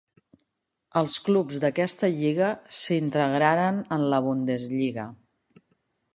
Els clubs d'aquesta lliga s'integraren en la Bundesliga.